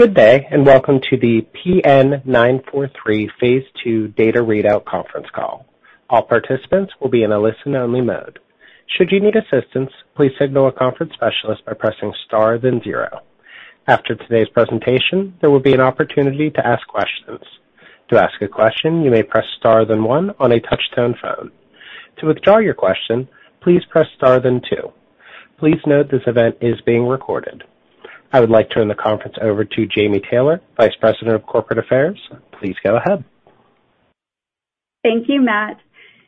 Good day, and welcome to the PN-943 phase II data readout conference call. All participants will be in a listen-only mode. Should you need assistance, please signal a conference specialist by pressing Star then 0. After today's presentation, there will be an opportunity to ask questions. To ask a question, you may press Star then one on a touch-tone phone. To withdraw your question, please press Star then two. Please note this event is being recorded. I would like to turn the conference over to Jami Taylor, Vice President of Corporate Affairs. Please go ahead. Thank you, Matt.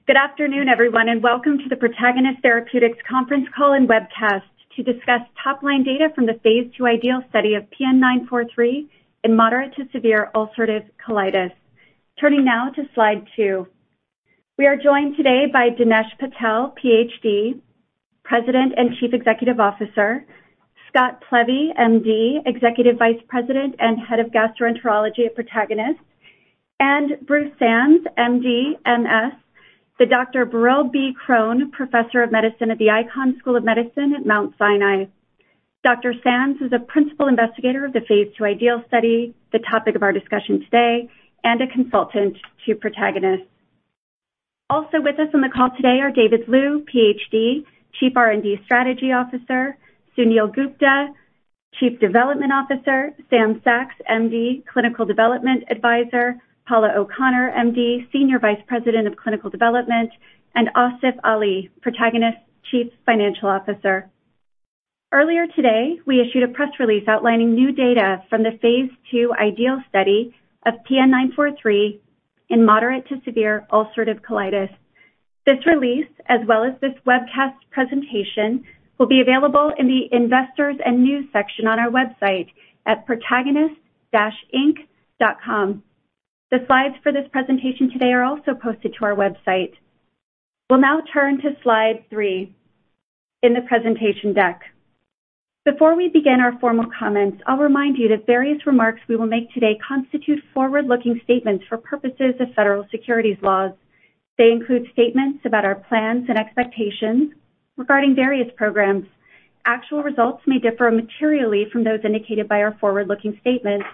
Good afternoon, everyone, and welcome to the Protagonist Therapeutics conference call and webcast to discuss top-line data from the phase II IDEAL study of PN-943 in moderate to severe ulcerative colitis. Turning now to slide two. We are joined today by Dinesh Patel, PhD, President and Chief Executive Officer, Scott Plevy, MD, Executive Vice President and Head of Gastroenterology at Protagonist, and Bruce Sands, MD, MS, the Dr. Burrill B. Crohn Professor of Medicine at the Icahn School of Medicine at Mount Sinai. Dr. Sands is a principal investigator of the phase II IDEAL study, the topic of our discussion today, and a consultant to Protagonist. Also with us on the call today are David Liu, PhD, Chief R&D Strategy Officer, Suneel Gupta, Chief Development Officer, Samuel Saks, MD, Clinical Development Advisor, Paula O'Connor, MD, Senior Vice President of Clinical Development, and Asif Ali, Protagonist Chief Financial Officer. Earlier today, we issued a press release outlining new data from the phase II IDEAL study of PN-943 in moderate to severe ulcerative colitis. This release, as well as this webcast presentation, will be available in the investors and news section on our website at protagonist-inc.com. The slides for this presentation today are also posted to our website. We'll now turn to slide three in the presentation deck. Before we begin our formal comments, I'll remind you that various remarks we will make today constitute forward-looking statements for purposes of federal securities laws. They include statements about our plans and expectations regarding various programs. Actual results may differ materially from those indicated by our forward-looking statements,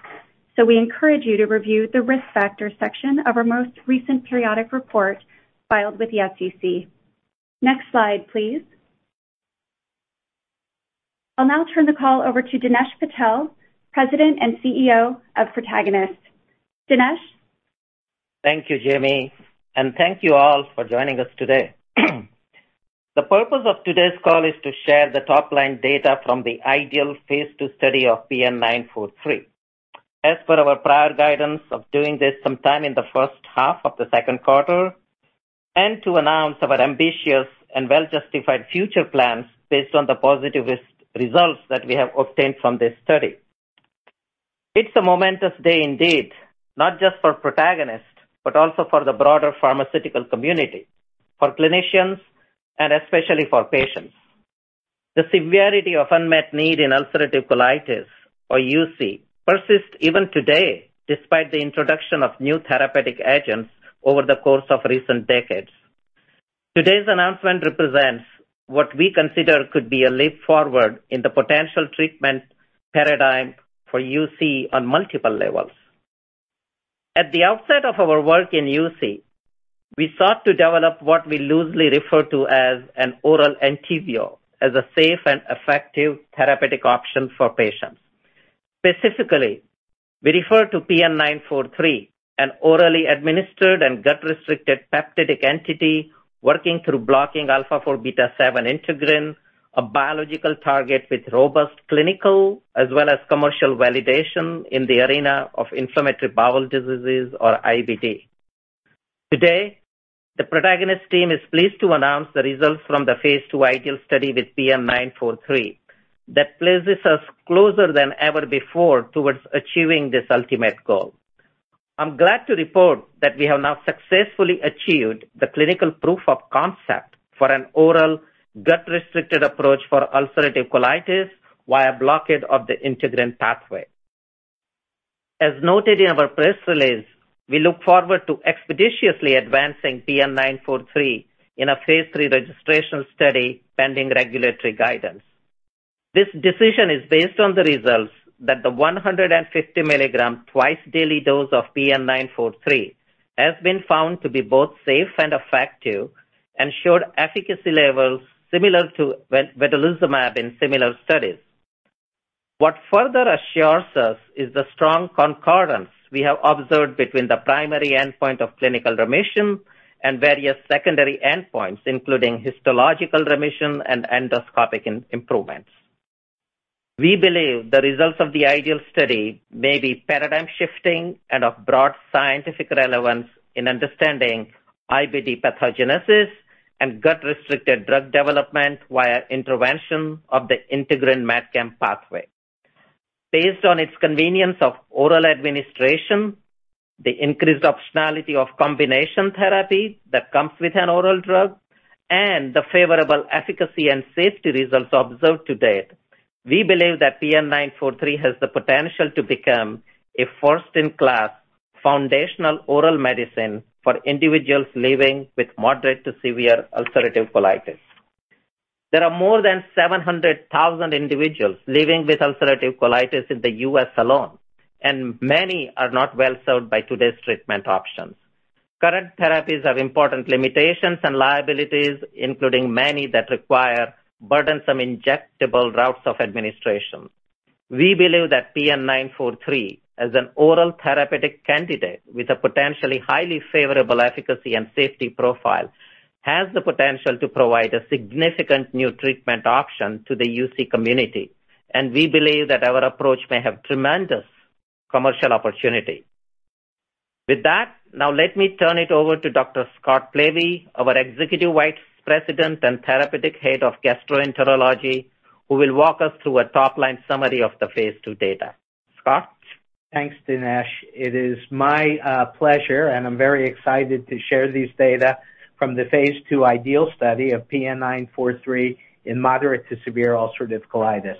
so we encourage you to review the Risk Factors section of our most recent periodic report filed with the SEC. Next slide, please. I'll now turn the call over to Dinesh Patel, president and CEO of Protagonist. Dinesh? Thank you, Jami, and thank you all for joining us today. The purpose of today's call is to share the top-line data from the IDEAL phase II study of PN-943, as per our prior guidance of doing this sometime in the first half of the second quarter, and to announce our ambitious and well-justified future plans based on the positive results that we have obtained from this study. It's a momentous day indeed, not just for Protagonist, but also for the broader pharmaceutical community, for clinicians, and especially for patients. The severity of unmet need in ulcerative colitis, or UC, persists even today, despite the introduction of new therapeutic agents over the course of recent decades. Today's announcement represents what we consider could be a leap forward in the potential treatment paradigm for UC on multiple levels. At the outset of our work in UC, we sought to develop what we loosely refer to as an oral ENTYVIO as a safe and effective therapeutic option for patients. Specifically, we refer to PN-943, an orally administered and gut-restricted peptidic entity working through blocking α4β7 Integrin, a biological target with robust clinical as well as commercial validation in the arena of inflammatory bowel diseases, or IBD. Today, the Protagonist team is pleased to announce the results from the phase II IDEAL study with PN-943 that places us closer than ever before towards achieving this ultimate goal. I'm glad to report that we have now successfully achieved the clinical proof of concept for an oral gut-restricted approach for ulcerative colitis via blockage of the integrin pathway. As noted in our press release, we look forward to expeditiously advancing PN-943 in a phase III registration study, pending regulatory guidance. This decision is based on the results that the 150-mg twice-daily dose of PN-943 has been found to be both safe and effective and showed efficacy levels similar to vedolizumab in similar studies. What further assures us is the strong concordance we have observed between the primary endpoint of clinical remission and various secondary endpoints, including histological remission and endoscopic improvements. We believe the results of the IDEAL study may be paradigm-shifting and of broad scientific relevance in understanding IBD pathogenesis and gut-restricted drug development via intervention of the integrin MAdCAM pathway. Based on its convenience of oral administration, the increased optionality of combination therapy that comes with an oral drug, and the favorable efficacy and safety results observed to date, we believe that PN-943 has the potential to become a first-in-class foundational oral medicine for individuals living with moderate to severe ulcerative colitis. There are more than 700,000 individuals living with ulcerative colitis in the U.S. alone, and many are not well-served by today's treatment options. Current therapies have important limitations and liabilities, including many that require burdensome injectable routes of administration. We believe that PN-943 as an oral therapeutic candidate with a potentially highly favorable efficacy and safety profile, has the potential to provide a significant new treatment option to the UC community, and we believe that our approach may have tremendous commercial opportunity. With that, now let me turn it over to Dr. Scott Plevy, our Executive Vice President and Head of Gastroenterology, who will walk us through a top-line summary of the phase II data. Scott? Thanks, Dinesh. It is my pleasure, and I'm very excited to share this data from the phase II IDEAL study of PN-943 in moderate to severe ulcerative colitis.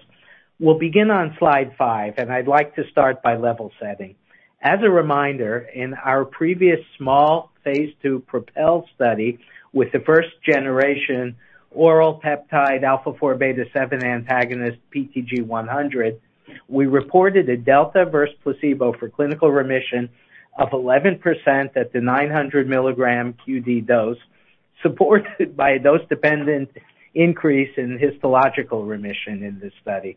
We'll begin on slide five, and I'd like to start by level setting. As a reminder, in our previous small phase II PROPEL study with the first generation oral peptide α4β7 antagonist PTG-100, we reported a delta versus placebo for clinical remission of 11% at the 900 mg QD dose, supported by a dose-dependent increase in histological remission in this study.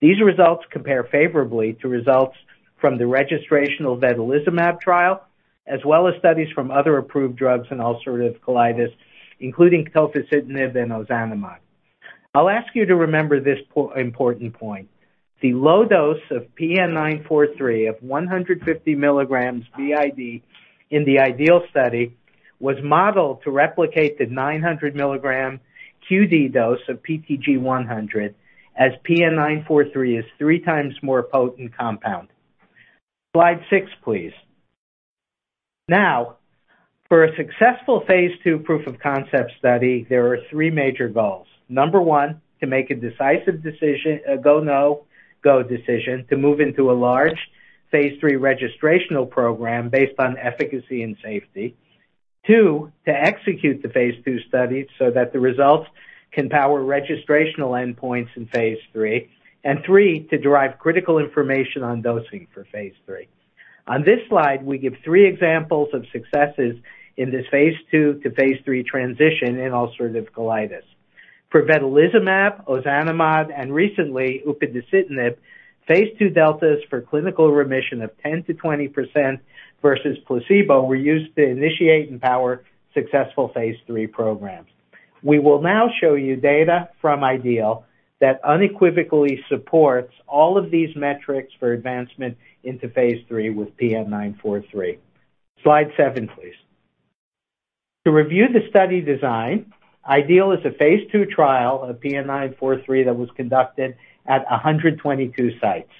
These results compare favorably to results from the registrational vedolizumab trial, as well as studies from other approved drugs in ulcerative colitis, including tofacitinib and ozanimod. I'll ask you to remember this important point. The low dose of PN-943 of 150 mg BID in the IDEAL study was modeled to replicate the 900 mg QD dose of PTG-100, as PN-943 is three times more potent compound. Slide six, please. Now, for a successful phase II proof of concept study, there are three major goals. Number one, to make a decisive decision, a go/no-go decision to move into a large phase III registrational program based on efficacy and safety. Two, to execute the phase II study so that the results can power registrational endpoints in phase III. Three, to derive critical information on dosing for phase III. On this slide, we give three examples of successes in this phase II to phase III transition in ulcerative colitis. For vedolizumab, ozanimod, and recently upadacitinib, phase II deltas for clinical remission of 10%-20% versus placebo were used to initiate and power successful phase III programs. We will now show you data from IDEAL that unequivocally supports all of these metrics for advancement into phase III with PN-943. Slide seven, please. To review the study design, IDEAL is a phase II trial of PN-943 that was conducted at 122 sites.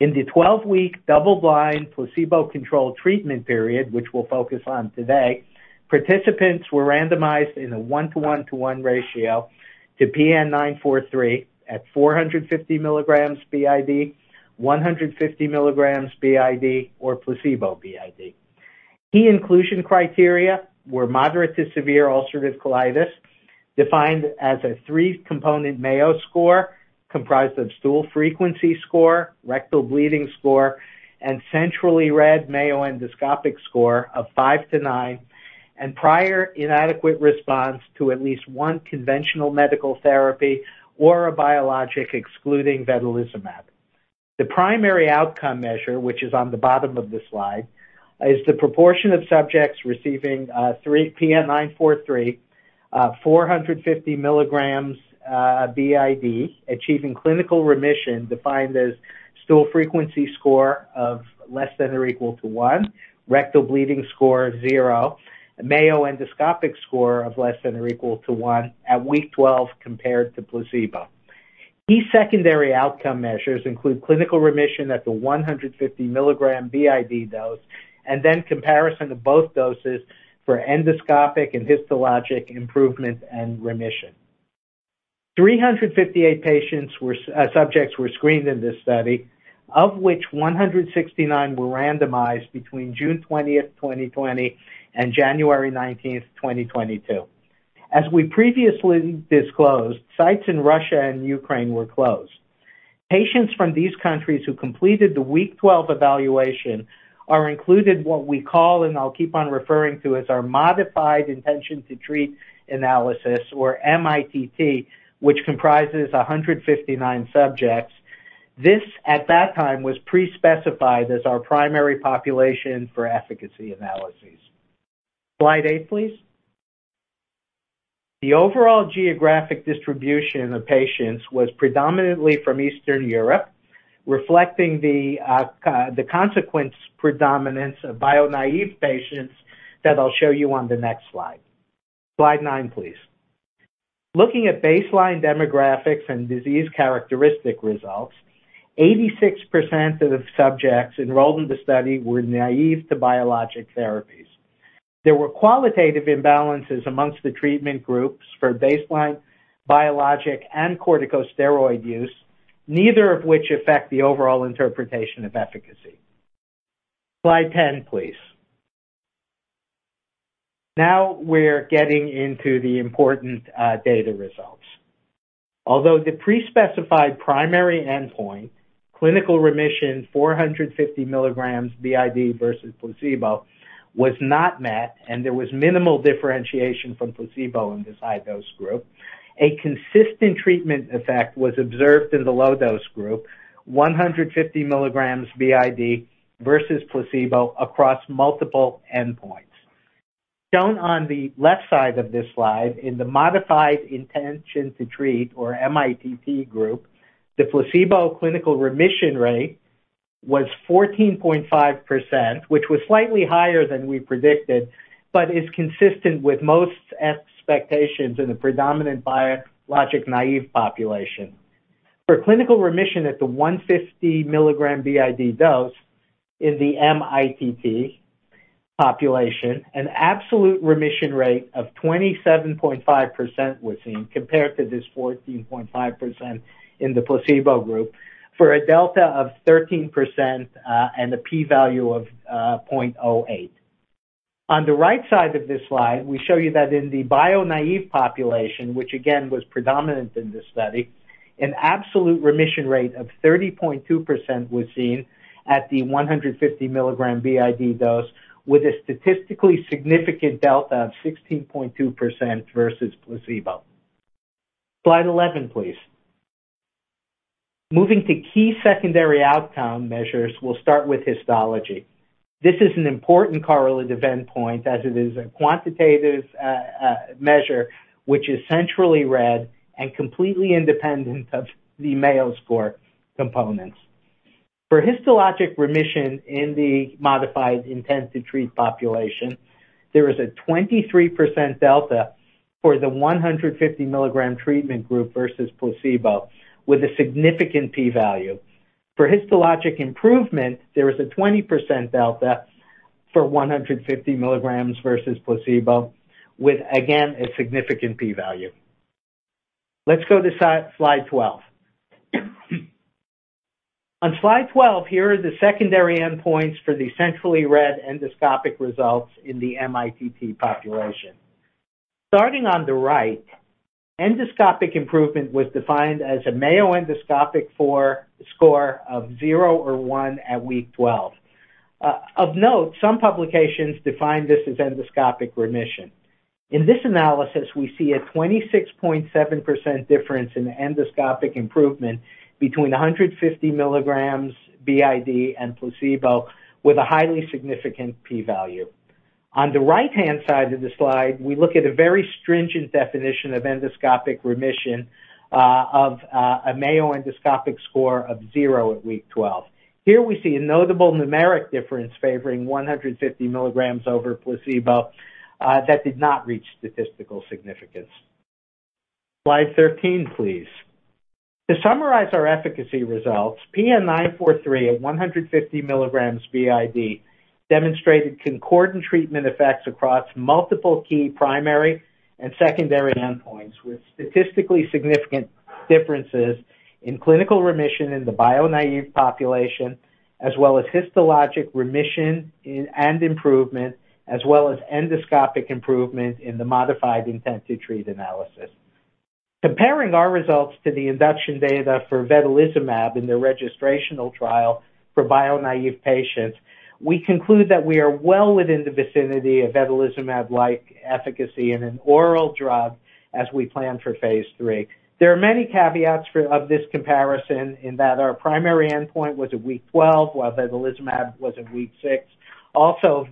In the 12-week double-blind placebo-controlled treatment period, which we'll focus on today, participants were randomized in a 1:1:1 to PN-943 at 450 mg BID, 150 mg BID, or placebo BID. Key inclusion criteria were moderate to severe ulcerative colitis, defined as a three-component Mayo score comprised of stool frequency score, rectal bleeding score, and centrally read Mayo endoscopic score of 5-9, and prior inadequate response to at least one conventional medical therapy or a biologic excluding vedolizumab. The primary outcome measure, which is on the bottom of this slide, is the proportion of subjects receiving PN-943 450 mg BID achieving clinical remission defined as stool frequency score of less than or equal to one, rectal bleeding score of 0, Mayo endoscopic score of less than or equal to one at week 12 compared to placebo. These secondary outcome measures include clinical remission at the 150 mg BID dose, and then comparison of both doses for endoscopic and histologic improvement and remission. 358 subjects were screened in this study, of which 169 were randomized between June 20th, 2020 and January 19th, 2022. As we previously disclosed, sites in Russia and Ukraine were closed. Patients from these countries who completed the week 12 evaluation are included in what we call, and I'll keep on referring to, as our modified intention-to-treat analysis or mITT, which comprises 159 subjects. This, at that time, was pre-specified as our primary population for efficacy analyses. Slide eight, please. The overall geographic distribution of patients was predominantly from Eastern Europe, reflecting the consequent predominance of bio-naive patients that I'll show you on the next slide. Slide nine, please. Looking at baseline demographics and disease characteristic results, 86% of the subjects enrolled in the study were naive to biologic therapies. There were qualitative imbalances among the treatment groups for baseline biologic and corticosteroid use, neither of which affect the overall interpretation of efficacy. Slide 10, please. Now we're getting into the important, data results. Although the pre-specified primary endpoint, clinical remission 450 mg BID versus placebo, was not met and there was minimal differentiation from placebo in this high-dose group, a consistent treatment effect was observed in the low-dose group, 150 mg BID versus placebo across multiple endpoints. Shown on the left side of this slide in the modified intention-to-treat, or mITT group, the placebo clinical remission rate was 14.5%, which was slightly higher than we predicted, but is consistent with most expectations in the predominant biologic-naive population. For clinical remission at the 150 mg BID dose in the mITT population, an absolute remission rate of 27.5% was seen compared to this 14.5% in the placebo group for a delta of 13%, and a P value of 0.08. On the right side of this slide, we show you that in the bio-naive population, which again was predominant in this study, an absolute remission rate of 30.2% was seen at the 150 mg BID dose with a statistically significant delta of 16.2% versus placebo. Slide 11, please. Moving to key secondary outcome measures, we'll start with histology. This is an important correlation endpoint as it is a quantitative measure which is centrally read and completely independent of the Mayo score components. For histologic remission in the modified intention-to-treat population, there is a 23% delta for the 150 mg treatment group versus placebo with a significant P value. For histologic improvement, there is a 20% delta for 150 mg versus placebo with, again, a significant P value. Let's go to slide 12. On slide 12, here are the secondary endpoints for the centrally read endoscopic results in the mITT population. Starting on the right, endoscopic improvement was defined as a Mayo endoscopic score of 0 or one at week 12. Of note, some publications define this as endoscopic remission. In this analysis, we see a 26.7% difference in endoscopic improvement between 150 mg BID and placebo with a highly significant P value. On the right-hand side of the slide, we look at a very stringent definition of endoscopic remission, of a Mayo endoscopic score of 0 at week 12. Here we see a notable numeric difference favoring 150 mg over placebo, that did not reach statistical significance. Slide 13, please. To summarize our efficacy results, PN-943 at 150 mg BID demonstrated concordant treatment effects across multiple key primary and secondary endpoints with statistically significant differences in clinical remission in the bio-naive population, as well as histologic remission and improvement, as well as endoscopic improvement in the modified intent-to-treat analysis. Comparing our results to the induction data for vedolizumab in their registrational trial for bio-naive patients, we conclude that we are well within the vicinity of vedolizumab-like efficacy in an oral drug as we plan for phase III. There are many caveats of this comparison in that our primary endpoint was at week 12, while vedolizumab was at week six. Also,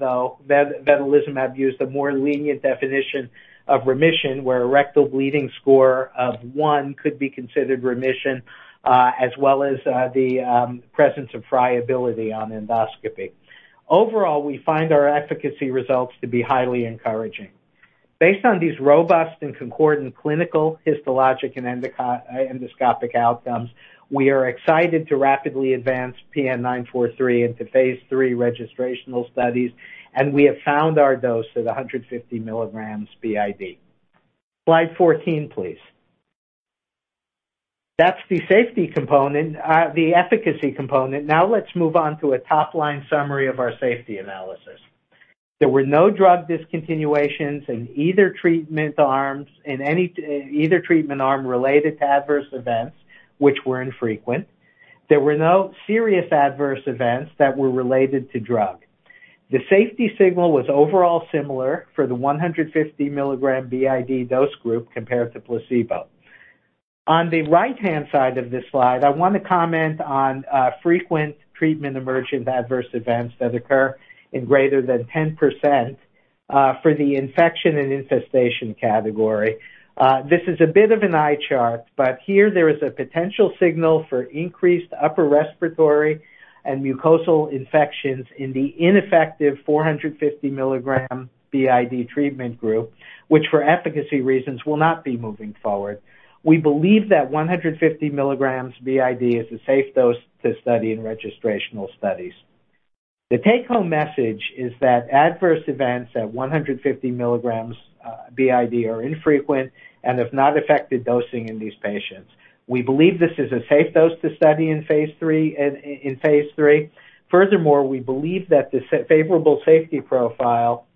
vedolizumab used a more lenient definition of remission where a rectal bleeding score of one could be considered remission, as well as the presence of friability on endoscopy. Overall, we find our efficacy results to be highly encouraging. Based on these robust and concordant clinical, histologic, and endoscopic outcomes, we are excited to rapidly advance PN-943 into phase III registrational studies, and we have found our dose at 150 mg BID. Slide 14, please. That's the efficacy component. Now let's move on to a top-line summary of our safety analysis. There were no drug discontinuations in either treatment arm related to adverse events, which were infrequent. There were no serious adverse events that were related to drug. The safety signal was overall similar for the 150 mg BID dose group compared to placebo. On the right-hand side of this slide, I wanna comment on frequent treatment emergent adverse events that occur in greater than 10%, for the infection and infestation category. This is a bit of an eye chart, but here there is a potential signal for increased upper respiratory and mucosal infections in the ineffective 450 mg BID treatment group, which for efficacy reasons will not be moving forward. We believe that 150 mg BID is a safe dose to study in registrational studies. The take-home message is that adverse events at 150 mg BID are infrequent and have not affected dosing in these patients. We believe this is a safe dose to study in phase III. Furthermore, we believe that the favorable safety profile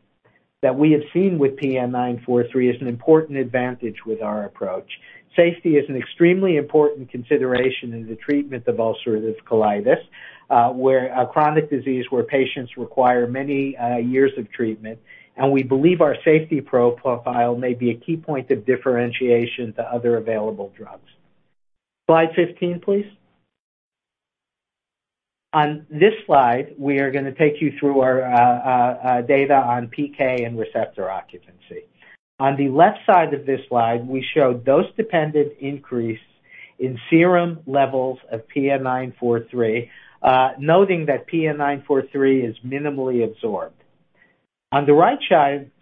that we have seen with PN-943 is an important advantage with our approach. Safety is an extremely important consideration in the treatment of ulcerative colitis, a chronic disease where patients require many years of treatment, and we believe our safety profile may be a key point of differentiation to other available drugs. Slide 15, please. On this slide, we are gonna take you through our data on PK and receptor occupancy. On the left side of this slide, we show dose-dependent increase in serum levels of PN-943, noting that PN-943 is minimally absorbed. On the right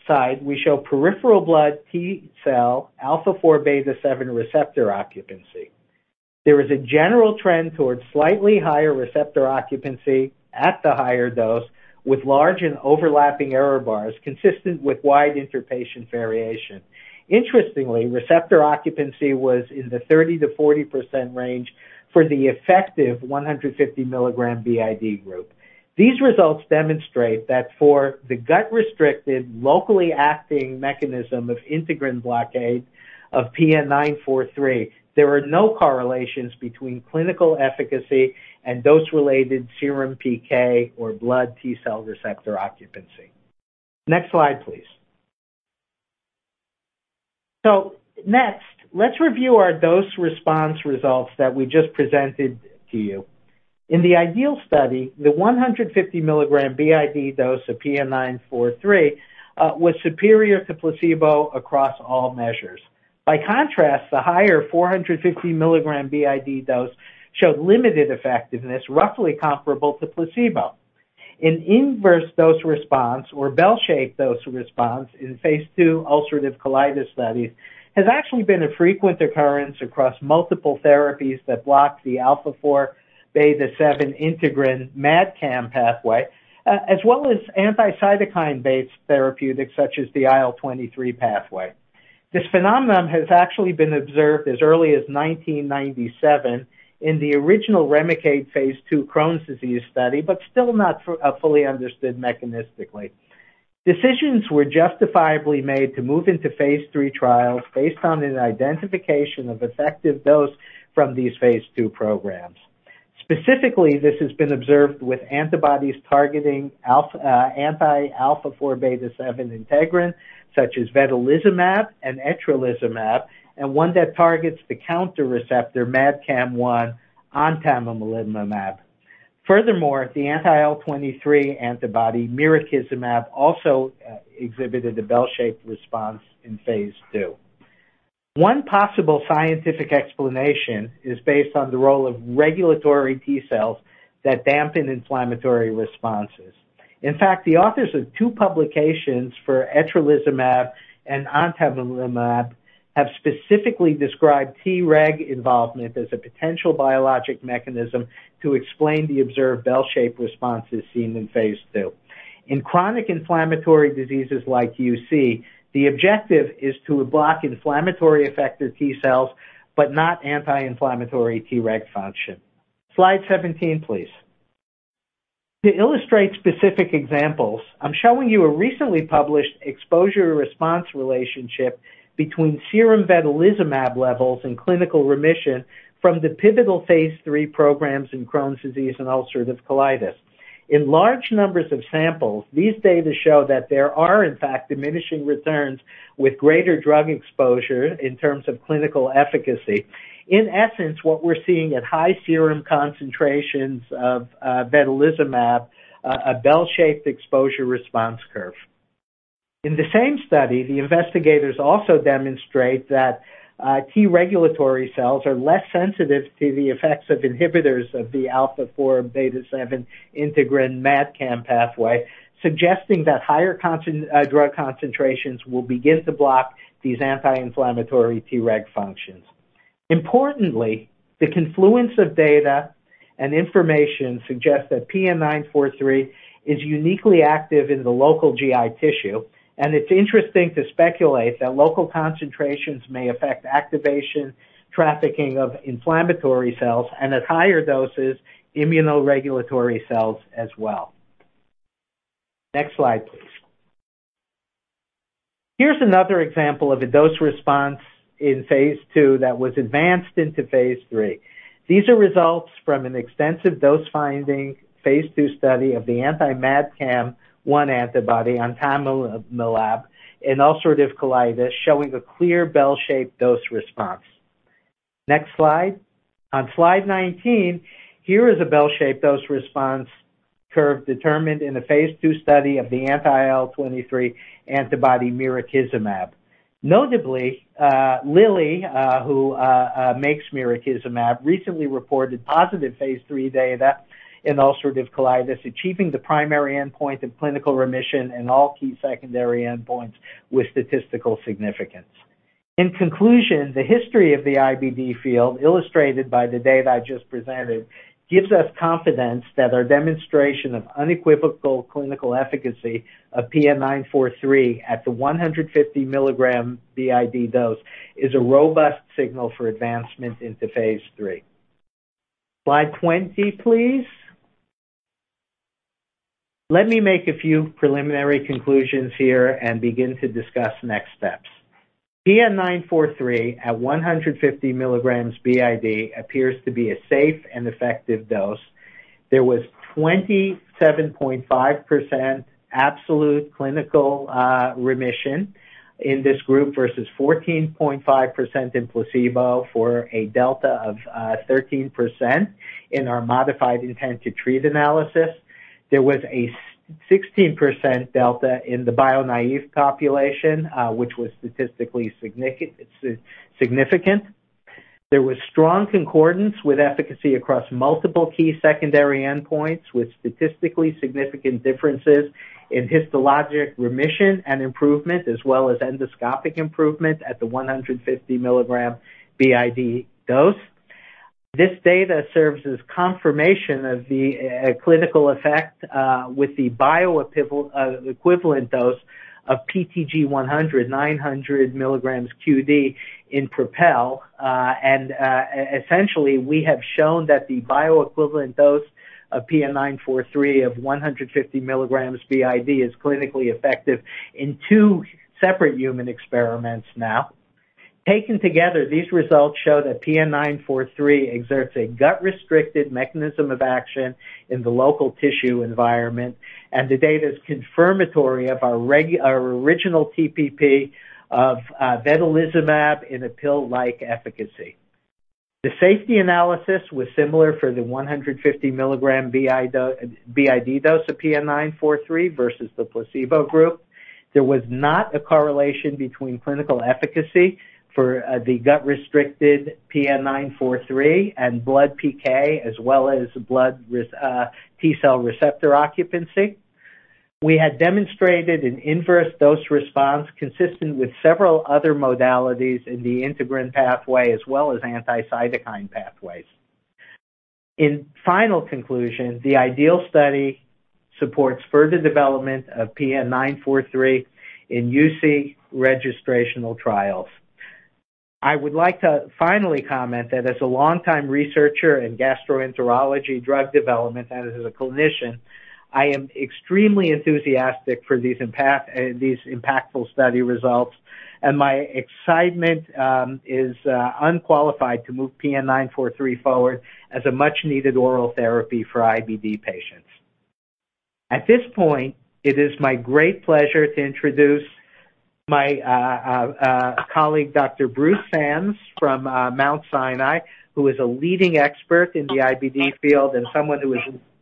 side, we show peripheral blood T cell α4β7 receptor occupancy. There is a general trend towards slightly higher receptor occupancy at the higher dose with large and overlapping error bars consistent with wide inter-patient variation. Interestingly, receptor occupancy was in the 30%-40% range for the effective 150 mg BID group. These results demonstrate that for the gut-restricted, locally acting mechanism of integrin blockade of PN-943, there are no correlations between clinical efficacy and dose-related serum PK or blood T cell receptor occupancy. Next slide, please. Next, let's review our dose response results that we just presented to you. In the IDEAL study, the 150-mg BID dose of PN-943 was superior to placebo across all measures. By contrast, the higher 450-mg BID dose showed limited effectiveness roughly comparable to placebo. An inverse dose response or bell-shaped dose response in phase II ulcerative colitis studies has actually been a frequent occurrence across multiple therapies that block the α4β7 Integrin MAdCAM pathway, as well as anti-cytokine-based therapeutics such as the IL-23 pathway. This phenomenon has actually been observed as early as 1997 in the original Remicade phase II Crohn's disease study, but still not fully understood mechanistically. Decisions were justifiably made to move into phase III trials based on an identification of effective dose from these phase II programs. Specifically, this has been observed with antibodies targeting, anti-α4β7 Integrin, such as vedolizumab and etrolizumab, and one that targets the counter receptor MAdCAM-1 ontamalimab. Furthermore, the anti-IL-23 antibody mirikizumab also exhibited a bell-shaped response in phase II. One possible scientific explanation is based on the role of regulatory T cells that dampen inflammatory responses. In fact, the authors of two publications for etrolizumab and ontamalimab have specifically described Treg involvement as a potential biologic mechanism to explain the observed bell-shaped responses seen in phase II. In chronic inflammatory diseases like UC, the objective is to block inflammatory effector T cells but not anti-inflammatory Treg function. Slide 17, please. To illustrate specific examples, I'm showing you a recently published exposure response relationship between serum vedolizumab levels and clinical remission from the pivotal phase III programs in Crohn's disease and ulcerative colitis. In large numbers of samples, these data show that there are, in fact, diminishing returns with greater drug exposure in terms of clinical efficacy. In essence, what we're seeing at high serum concentrations of vedolizumab, a bell-shaped exposure response curve. In the same study, the investigators also demonstrate that T regulatory cells are less sensitive to the effects of inhibitors of the α4β7 Integrin MAdCAM pathway, suggesting that higher drug concentrations will begin to block these anti-inflammatory Treg functions. Importantly, the confluence of data and information suggests that PN-943 is uniquely active in the local GI tissue, and it's interesting to speculate that local concentrations may affect activation, trafficking of inflammatory cells, and at higher doses, immunoregulatory cells as well. Next slide, please. Here's another example of a dose response in phase II that was advanced into phase III. These are results from an extensive dose-finding phase II study of the anti-MAdCAM-1 antibody ontamalimab in ulcerative colitis, showing a clear bell-shaped dose response. Next slide. On slide 19, here is a bell-shaped dose response curve determined in a phase II study of the anti-IL-23 antibody mirikizumab. Notably, Lilly, who makes mirikizumab, recently reported positive phase III data in ulcerative colitis, achieving the primary endpoint of clinical remission and all key secondary endpoints with statistical significance. In conclusion, the history of the IBD field, illustrated by the data I just presented, gives us confidence that our demonstration of unequivocal clinical efficacy of PN-943 at the 150 mg BID dose is a robust signal for advancement into phase III. Slide 20, please. Let me make a few preliminary conclusions here and begin to discuss next steps. PN-943 at 150 mg BID appears to be a safe and effective dose. There was 27.5% absolute clinical remission in this group versus 14.5% in placebo for a delta of 13% in our modified intent to treat analysis. There was a 16% delta in the bio-naive population, which was statistically significant. There was strong concordance with efficacy across multiple key secondary endpoints with statistically significant differences in histologic remission and improvement as well as endoscopic improvement at the 150 mg BID dose. This data serves as confirmation of the clinical effect with the bioequivalent dose of PTG-100, 900 mg QD in PROPEL. Essentially, we have shown that the bioequivalent dose of PN-943 of 150 mg BID is clinically effective in two separate human experiments now. Taken together, these results show that PN-943 exerts a gut-restricted mechanism of action in the local tissue environment, and the data is confirmatory of our original TPP of vedolizumab in a pill-like efficacy. The safety analysis was similar for the 150 mg BID dose of PN-943 versus the placebo group. There was not a correlation between clinical efficacy for the gut-restricted PN-943 and blood PK as well as blood T cell receptor occupancy. We had demonstrated an inverse dose response consistent with several other modalities in the integrin pathway as well as anti-cytokine pathways. In final conclusion, the IDEAL study supports further development of PN-943 in UC registrational trials. I would like to finally comment that as a long-time researcher in gastroenterology drug development and as a clinician, I am extremely enthusiastic for these impactful study results. My excitement is unqualified to move PN-943 forward as a much-needed oral therapy for IBD patients. At this point, it is my great pleasure to introduce my colleague, Dr. Bruce Sands from Mount Sinai, who is a leading expert in the IBD field and someone who is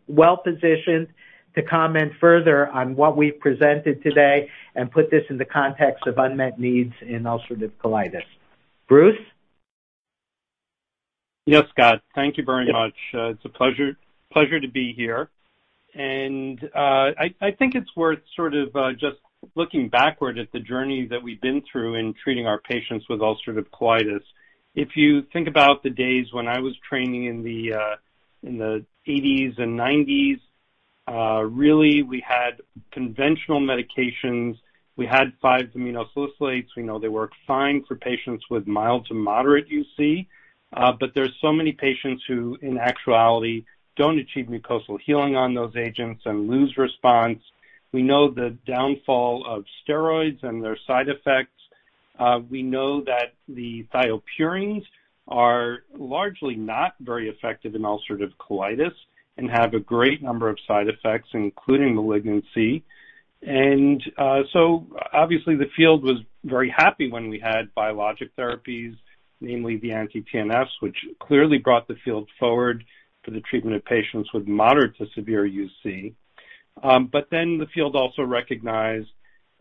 well-positioned to comment further on what we've presented today and put this in the context of unmet needs in ulcerative colitis. Bruce? Yes, Scott. Thank you very much. Yeah. It's a pleasure to be here. I think it's worth sort of just looking backward at the journey that we've been through in treating our patients with ulcerative colitis. If you think about the days when I was training in the eighties and nineties, really we had conventional medications. We had 5-aminosalicylates. We know they work fine for patients with mild to moderate UC. There's so many patients who, in actuality, don't achieve mucosal healing on those agents and lose response. We know the downfall of steroids and their side effects. We know that the thiopurines are largely not very effective in ulcerative colitis and have a great number of side effects, including malignancy. Obviously the field was very happy when we had biologic therapies, namely the anti-TNFs, which clearly brought the field forward for the treatment of patients with moderate to severe UC. The field also recognized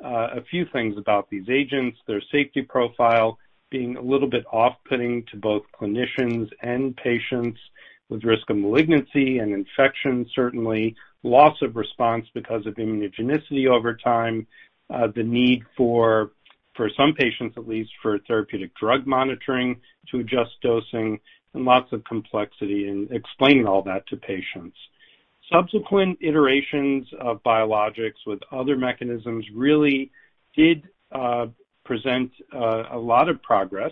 a few things about these agents, their safety profile being a little bit off-putting to both clinicians and patients with risk of malignancy and infection, certainly. Loss of response because of immunogenicity over time. The need for some patients at least for therapeutic drug monitoring to adjust dosing and lots of complexity in explaining all that to patients. Subsequent iterations of biologics with other mechanisms really did present a lot of progress.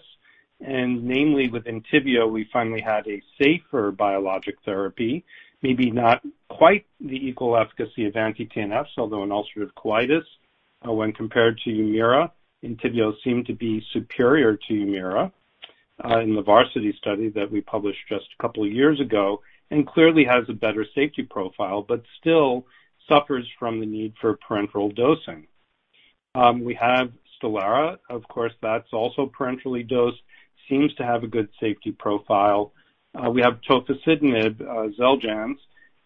Namely with ENTYVIO, we finally had a safer biologic therapy, maybe not quite the equal efficacy of anti-TNFs, although in ulcerative colitis, when compared to HUMIRA, ENTYVIO seemed to be superior to HUMIRA in the VARSITY study that we published just a couple of years ago, and clearly has a better safety profile, but still suffers from the need for parenteral dosing. We have STELARA, of course, that's also parenterally dosed, seems to have a good safety profile. We have tofacitinib, XELJANZ,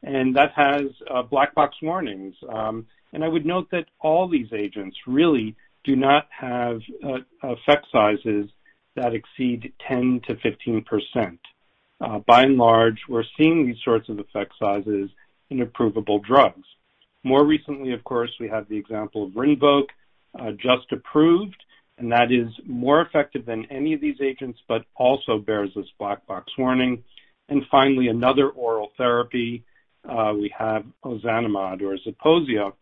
and that has black box warnings. I would note that all these agents really do not have effect sizes that exceed 10%-15%. By and large, we're seeing these sorts of effect sizes in approvable drugs. More recently, of course, we have the example of RINVOQ, just approved, and that is more effective than any of these agents, but also bears this black box warning. Finally, another oral therapy, we have ozanimod or ZEPOSIA.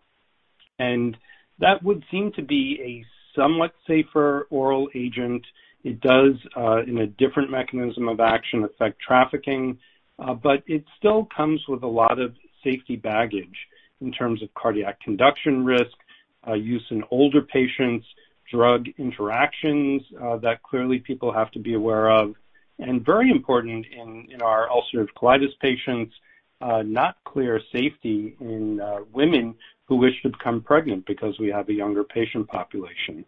That would seem to be a somewhat safer oral agent. It does, in a different mechanism of action, affect trafficking. But it still comes with a lot of safety baggage in terms of cardiac conduction risk, use in older patients, drug interactions, that clearly people have to be aware of. Very important in our ulcerative colitis patients, not clear safety in women who wish to become pregnant because we have a younger patient population.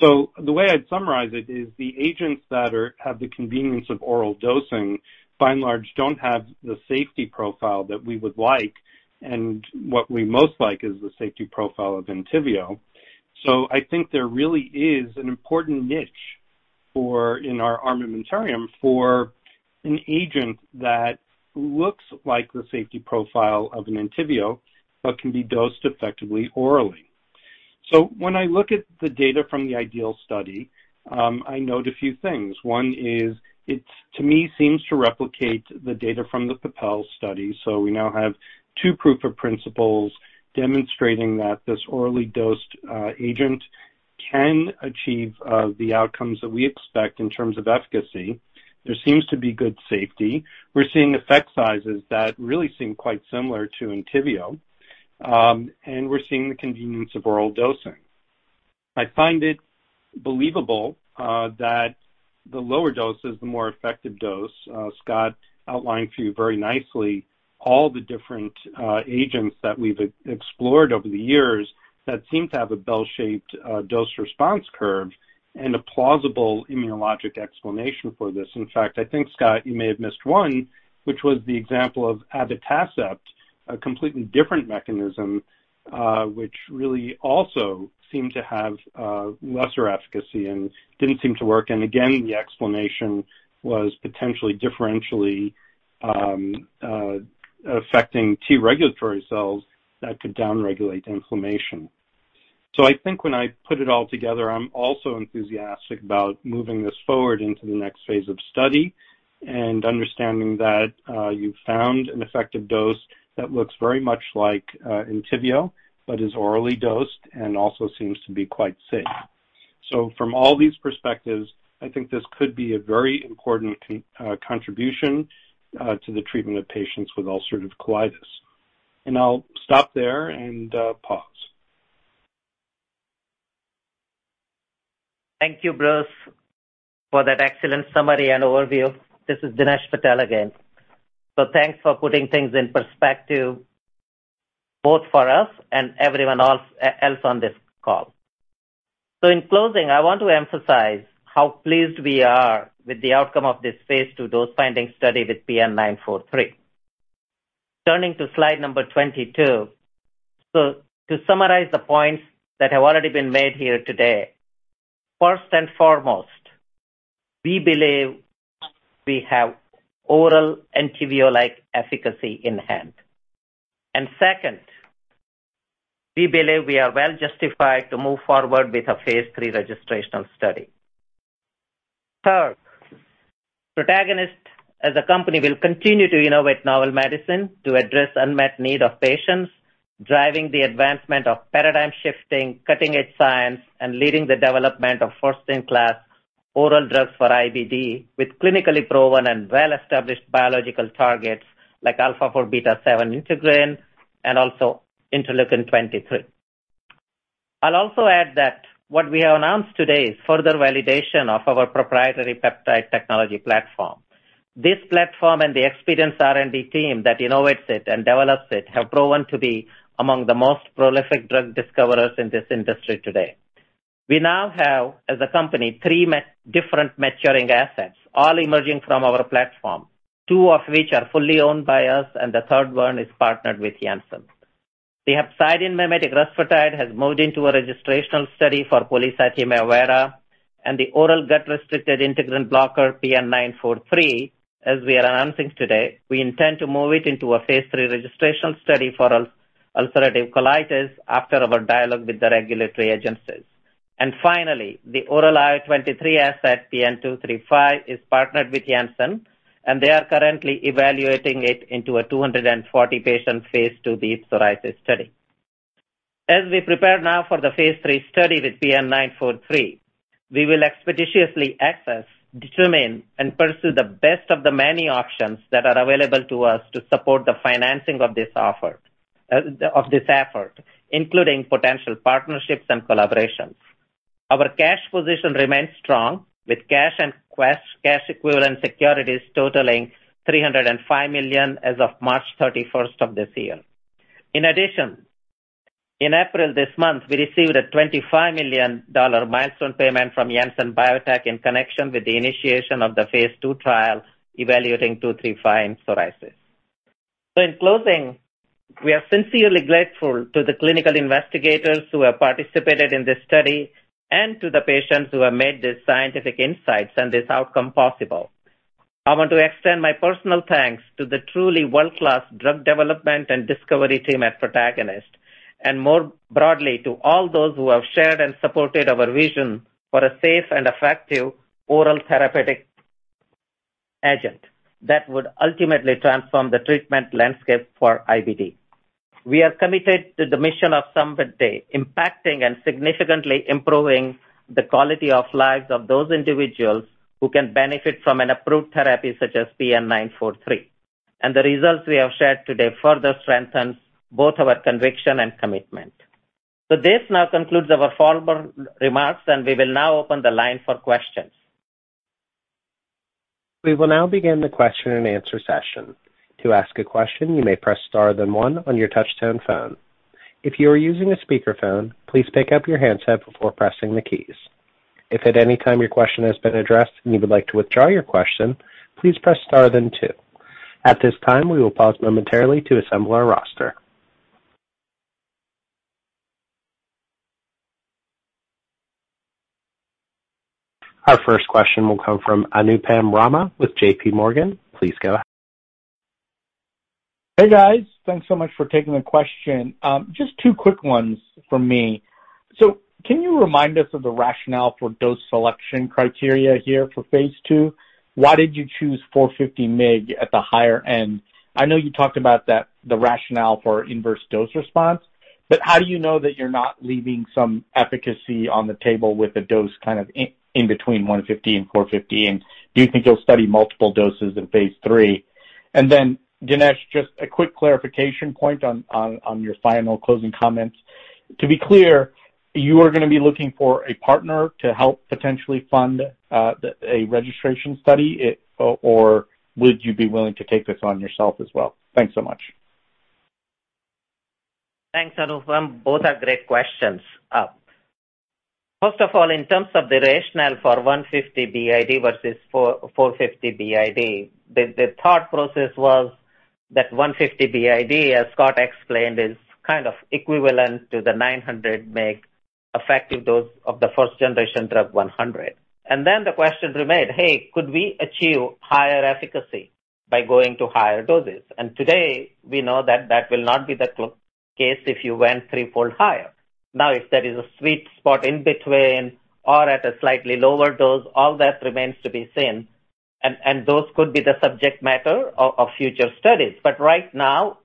The way I'd summarize it is the agents that have the convenience of oral dosing, by and large, don't have the safety profile that we would like. What we most like is the safety profile of ENTYVIO. I think there really is an important niche for, in our armamentarium, for an agent that looks like the safety profile of an ENTYVIO, but can be dosed effectively orally. When I look at the data from the IDEAL study, I note a few things. One is it, to me, seems to replicate the data from the PROPEL study. We now have two proof of principles demonstrating that this orally dosed agent can achieve the outcomes that we expect in terms of efficacy. There seems to be good safety. We're seeing effect sizes that really seem quite similar to ENTYVIO. We're seeing the convenience of oral dosing. I find it believable that the lower dose is the more effective dose. Scott outlined for you very nicely all the different agents that we've explored over the years that seem to have a bell-shaped dose response curve and a plausible immunologic explanation for this. In fact, I think, Scott, you may have missed one, which was the example of abatacept, a completely different mechanism, which really also seemed to have lesser efficacy and didn't seem to work. Again, the explanation was potentially differentially affecting T regulatory cells that could down-regulate inflammation. I think when I put it all together, I'm also enthusiastic about moving this forward into the next phase of study and understanding that you've found an effective dose that looks very much like ENTYVIO, but is orally dosed and also seems to be quite safe. From all these perspectives, I think this could be a very important contribution to the treatment of patients with ulcerative colitis. I'll stop there and pause. Thank you, Bruce, for that excellent summary and overview. This is Dinesh Patel again. Thanks for putting things in perspective, both for us and everyone else on this call. In closing, I want to emphasize how pleased we are with the outcome of this phase II dose-finding study with PN-943. Turning to slide number 22. To summarize the points that have already been made here today, first and foremost, we believe we have oral ENTYVIO-like efficacy in hand. Second, we believe we are well justified to move forward with a phase III registrational study. Third, Protagonist as a company will continue to innovate novel medicine to address unmet need of patients, driving the advancement of paradigm-shifting, cutting-edge science and leading the development of first-in-class oral drugs for IBD with clinically proven and well-established biological targets like α4β7 Integrin and also interleukin 23. I'll also add that what we have announced today is further validation of our proprietary peptide technology platform. This platform and the experienced R&D team that innovates it and develops it have proven to be among the most prolific drug discoverers in this industry today. We now have, as a company, three different maturing assets, all emerging from our platform, two of which are fully owned by us, and the third one is partnered with Janssen. The hepcidin mimetic rusfertide has moved into a registrational study for polycythemia vera and the oral gut-restricted integrin blocker, PN-943, as we are announcing today, we intend to move it into a phase III registrational study for ulcerative colitis after our dialogue with the regulatory agencies. Finally, the oral IL-23 asset, PN-235, is partnered with Janssen, and they are currently evaluating it in a 240-patient phase IIb psoriasis study. As we prepare now for the phase III study with PN-943, we will expeditiously assess, determine, and pursue the best of the many options that are available to us to support the financing of this effort, including potential partnerships and collaborations. Our cash position remains strong with cash and cash equivalent securities totaling $305 million as of March 31st of this year. In addition, in April this month, we received a $25 million milestone payment from Janssen Biotech in connection with the initiation of the phase II trial evaluating PN-235 in psoriasis. In closing, we are sincerely grateful to the clinical investigators who have participated in this study and to the patients who have made these scientific insights and this outcome possible. I want to extend my personal thanks to the truly world-class drug development and discovery team at Protagonist, and more broadly to all those who have shared and supported our vision for a safe and effective oral therapeutic agent that would ultimately transform the treatment landscape for IBD. We are committed to the mission of Summit today, impacting and significantly improving the quality of lives of those individuals who can benefit from an approved therapy such as PN-943. The results we have shared today further strengthens both our conviction and commitment. This now concludes our formal remarks, and we will now open the line for questions. We will now begin the question and answer session. To ask a question, you may press star, then one on your touchtone phone. If you are using a speakerphone, please pick up your handset before pressing the keys. If at any time your question has been addressed and you would like to withdraw your question, please press star, then two. At this time, we will pause momentarily to assemble our roster. Our first question will come from Anupam Rama with J.P. Morgan. Please go ahead. Hey, guys. Thanks so much for taking the question. Just two quick ones from me. Can you remind us of the rationale for dose selection criteria here for phase II? Why did you choose 450 mg at the higher end? I know you talked about that, the rationale for inverse dose response, but how do you know that you're not leaving some efficacy on the table with a dose kind of in between 150 mg and 450 mg? And do you think you'll study multiple doses in phase III? And then Dinesh, just a quick clarification point on your final closing comments. To be clear, you are gonna be looking for a partner to help potentially fund a registration study, or would you be willing to take this on yourself as well? Thanks so much. Thanks, Anupam. Both are great questions. First of all, in terms of the rationale for 150mg BID versus 450 mg BID, the thought process was that 150 mg BID, as Scott explained, is kind of equivalent to the 900 mg effective dose of the first generation drug PTG-100. Then the question remained, "Hey, could we achieve higher efficacy by going to higher doses?" Today we know that that will not be the case if you went threefold higher. Now, if there is a sweet spot in between or at a slightly lower dose, all that remains to be seen and those could be the subject matter of future studies. Right now,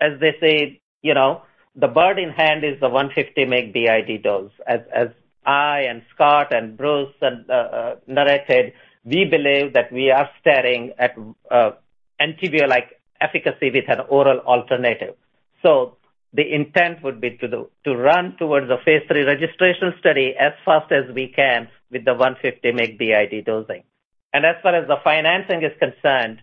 as they say, you know, the bird in hand is the 150 mg BID dose. I and Scott and Bruce narrated, we believe that we are staring at ENTYVIO-like efficacy with an oral alternative. The intent would be to run towards a phase III registration study as fast as we can with the 150 mg BID dosing. As far as the financing is concerned,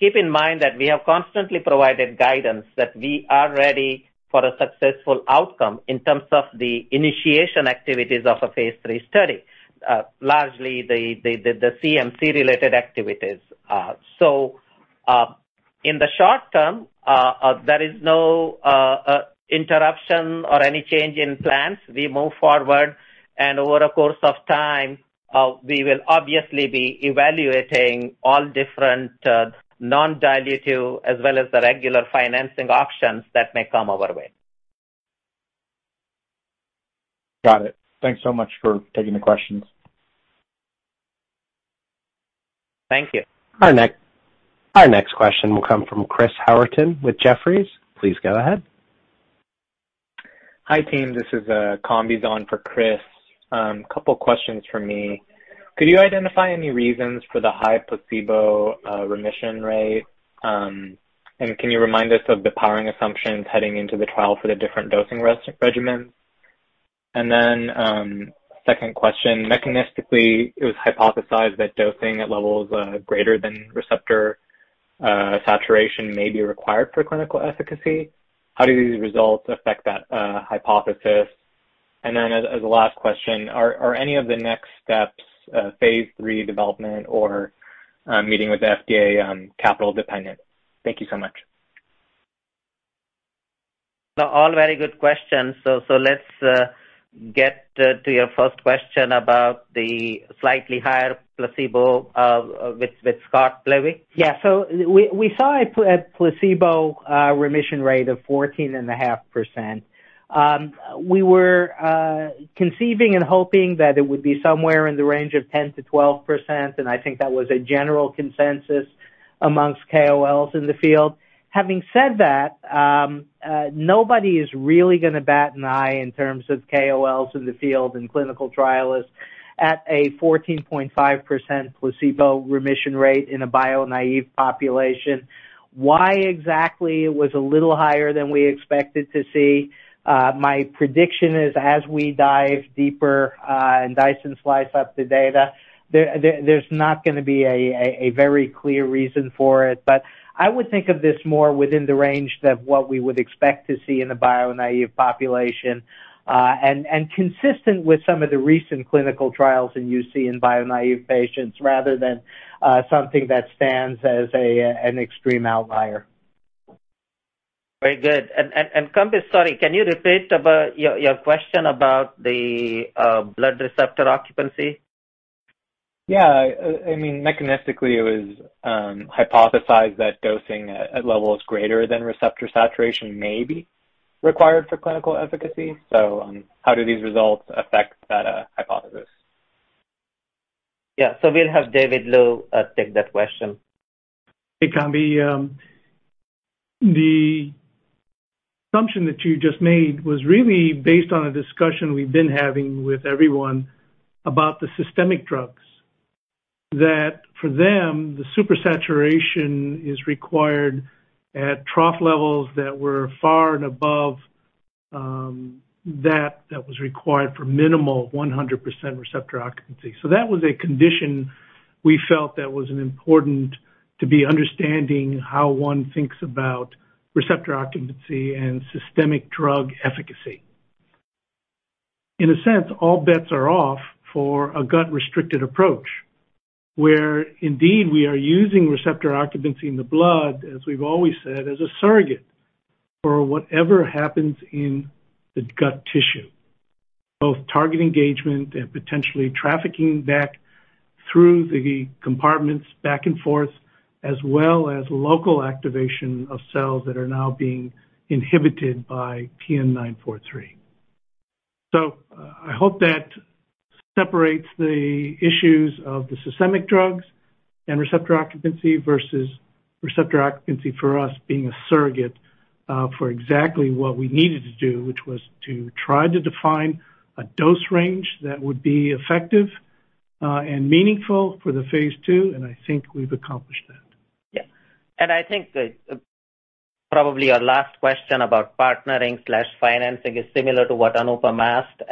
keep in mind that we have constantly provided guidance that we are ready for a successful outcome in terms of the initiation activities of a phase III study, largely the CMC-related activities. In the short term, there is no interruption or any change in plans. We move forward and over a course of time, we will obviously be evaluating all different non-dilutive as well as the regular financing options that may come our way. Got it. Thanks so much for taking the questions. Thank you. Our next question will come from Chris Howerton with Jefferies. Please go ahead. Hi, team. This is Kombi on for Chris. Couple questions from me. Could you identify any reasons for the high placebo remission rate? Can you remind us of the powering assumptions heading into the trial for the different dosing regimens? Second question, mechanistically it was hypothesized that dosing at levels greater than receptor saturation may be required for clinical efficacy. How do these results affect that hypothesis? As a last question, are any of the next steps phase III development or meeting with the FDA on capital dependent? Thank you so much. They're all very good questions. Let's get to your first question about the slightly higher placebo with Scott Plevy. Yeah. We saw a placebo remission rate of 14.5%. We were conceiving and hoping that it would be somewhere in the range of 10%-12%, and I think that was a general consensus amongst KOLs in the field. Having said that, nobody is really gonna bat an eye in terms of KOLs in the field and clinical trialists at a 14.5% placebo remission rate in a biologic-naive population. Why exactly it was a little higher than we expected to see, my prediction is as we dive deeper and dice and slice up the data, there's not gonna be a very clear reason for it. I would think of this more within the range than what we would expect to see in a bio-naive population, and consistent with some of the recent clinical trials that you see in bio-naive patients rather than something that stands as an extreme outlier. Very good. Kombi, sorry, can you repeat about your question about the blood receptor occupancy? Yeah. I mean, mechanistically it was hypothesized that dosing at levels greater than receptor saturation maybe required for clinical efficacy. How do these results affect that hypothesis? Yeah. We'll have David Liu take that question. Hey, Kombi. The assumption that you just made was really based on a discussion we've been having with everyone about the systemic drugs. That for them, the supersaturation is required at trough levels that were far and above, that was required for minimal 100% receptor occupancy. That was a condition we felt that was important to be understanding how one thinks about receptor occupancy and systemic drug efficacy. In a sense, all bets are off for a gut-restricted approach, where indeed we are using receptor occupancy in the blood, as we've always said, as a surrogate for whatever happens in the gut tissue. Both target engagement and potentially trafficking back through the compartments back and forth, as well as local activation of cells that are now being inhibited by PN-943. I hope that separates the issues of the systemic drugs and receptor occupancy versus receptor occupancy for us being a surrogate, for exactly what we needed to do, which was to try to define a dose range that would be effective, and meaningful for the phase II, and I think we've accomplished that. I think probably our last question about partnering/financing is similar to what Anupam asked.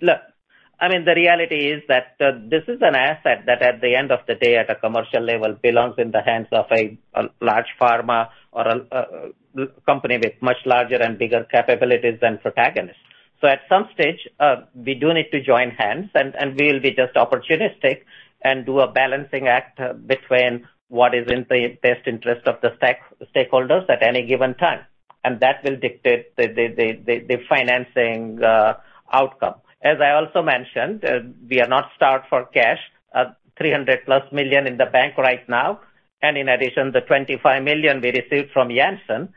Look, I mean, the reality is that this is an asset that at the end of the day, at a commercial level, belongs in the hands of a large pharma or a company with much larger and bigger capabilities than Protagonist. So at some stage, we do need to join hands, and we'll be just opportunistic and do a balancing act between what is in the best interest of the stakeholders at any given time. That will dictate the financing outcome. As I also mentioned, we are not starved for cash. $300+ million in the bank right now. In addition, the $25 million we received from Janssen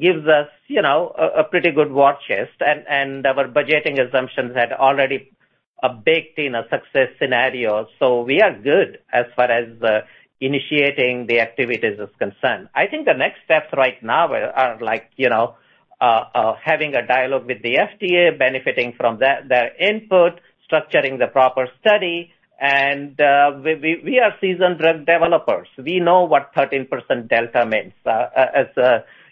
gives us, you know, a pretty good war chest. Our budgeting assumptions had already a baked-in success scenario. We are good as far as initiating the activities is concerned. I think the next steps right now are like, you know, having a dialogue with the FDA, benefiting from their input, structuring the proper study. We are seasoned drug developers. We know what 13% delta means. As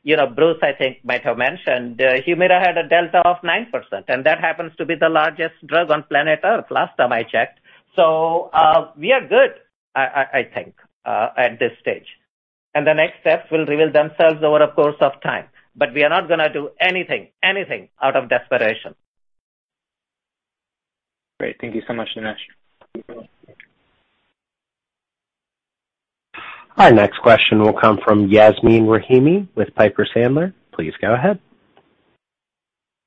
you know, Bruce, I think might have mentioned, HUMIRA had a delta of 9%, and that happens to be the largest drug on planet Earth last time I checked. We are good, I think, at this stage. The next steps will reveal themselves over a course of time. We are not gonna do anything out of desperation. Great. Thank you so much, Dinesh. Mm-hmm. Our next question will come from Yasmeen Rahimi with Piper Sandler. Please go ahead.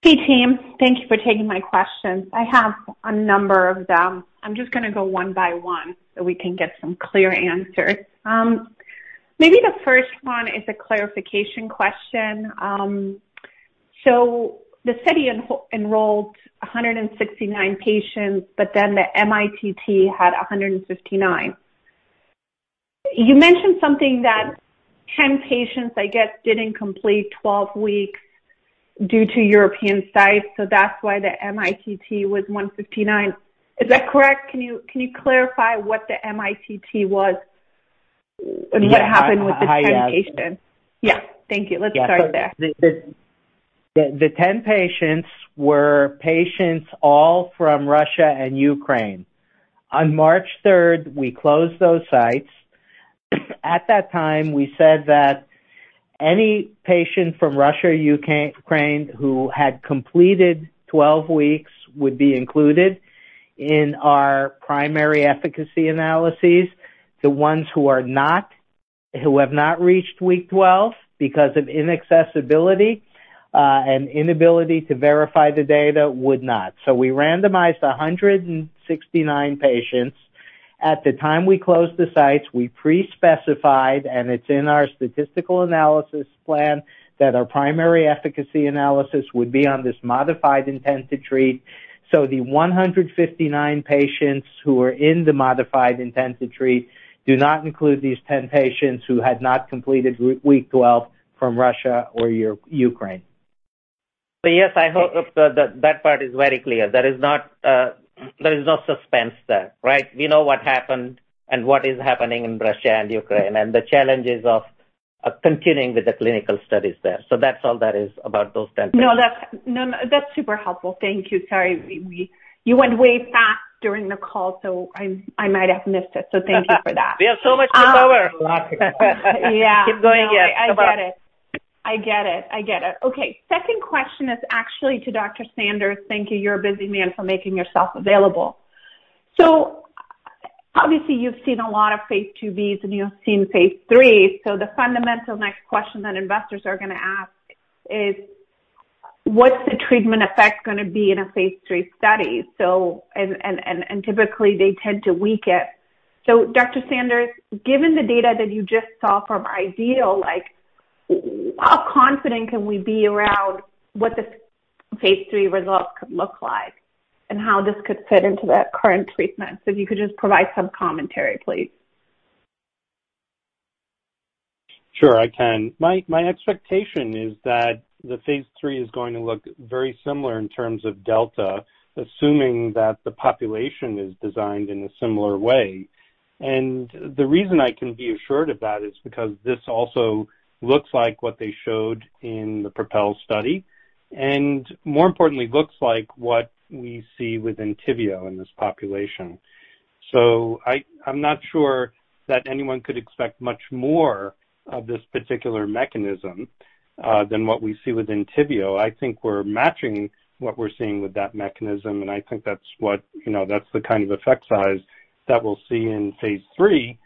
Hey, team. Thank you for taking my questions. I have a number of them. I'm just gonna go one by one so we can get some clear answers. Maybe the first one is a clarification question. So the study enrolled 169 patients, but then the mITT had 159. You mentioned something that 10 patients, I guess, didn't complete 12 weeks due to European sites, so that's why the mITT was 159. Is that correct? Can you clarify what the mITT was and what happened with the 10 patients? Yeah. Hi, hi, Yas. Yeah. Thank you. Let's start there. Yeah. The 10 patients were all from Russia and Ukraine. On March 3rd, we closed those sites. At that time, we said that any patient from Russia or Ukraine who had completed 12 weeks would be included in our primary efficacy analyses. The ones who have not reached week 12 because of inaccessibility and inability to verify the data would not. We randomized 169 patients. At the time we closed the sites, we pre-specified, and it's in our statistical analysis plan, that our primary efficacy analysis would be on this modified intention-to-treat. The 159 patients who were in the modified intention-to-treat do not include these 10 patients who had not completed week 12 from Russia or Ukraine. Yes, I hope that part is very clear. There is not, there is no suspense there, right? We know what happened and what is happening in Russia and Ukraine and the challenges of continuing with the clinical studies there. That's all there is about those 10 patients. No, no, that's super helpful. Thank you. Sorry. You went way fast during the call, so I might have missed it. Thank you for that. We have so much to cover. A lot to cover. Yeah. Keep going, Yas. Come on. No, I get it. Okay. Second question is actually to Dr. Sands. Thank you're a busy man, for making yourself available. Obviously you've seen a lot of phase IIb's and you've seen phase IIIs, so the fundamental next question that investors are gonna ask is what's the treatment effect gonna be in a phase III study? Typically they tend to weaken. Dr. Sands, given the data that you just saw from IDEAL, like, how confident can we be around what the phase III results could look like and how this could fit into that current treatment? If you could just provide some commentary, please. Sure, I can. My expectation is that the phase III is going to look very similar in terms of delta, assuming that the population is designed in a similar way. The reason I can be assured of that is because this also looks like what they showed in the PROPEL study and more importantly, looks like what we see with ENTYVIO in this population. I'm not sure that anyone could expect much more of this particular mechanism than what we see with ENTYVIO. I think we're matching what we're seeing with that mechanism, and I think that's what, you know, that's the kind of effect size that we'll see in phase III,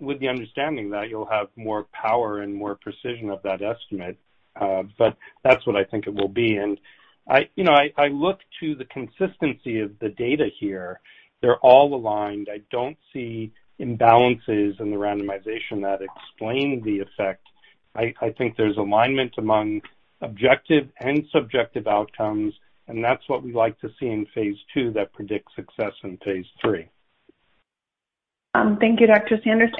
with the understanding that you'll have more power and more precision of that estimate. That's what I think it will be. I, you know, look to the consistency of the data here. They're all aligned. I don't see imbalances in the randomization that explain the effect. I think there's alignment among objective and subjective outcomes, and that's what we like to see in phase II that predicts success in phase III. Thank you, Dr. Sands.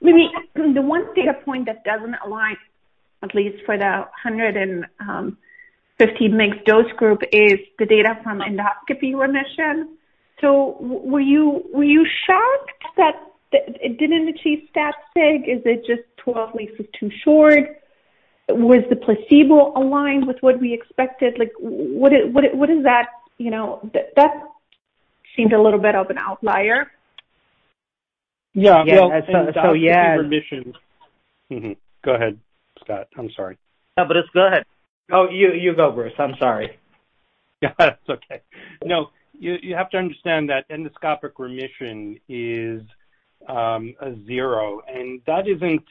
The one data point that doesn't align, at least for the 150 mg dose group, is the data from endoscopy remission. Were you shocked that it didn't achieve stat sig? Is it just 12 weeks is too short? Was the placebo aligned with what we expected? Like, what is that, you know? That seemed a little bit of an outlier. Yeah. Yeah. Yeah. Endoscopic remission. Go ahead, Scott. I'm sorry. No, but go ahead. Oh, you go, Bruce. I'm sorry. That's okay. No, you have to understand that endoscopic remission is a 0, and that isn't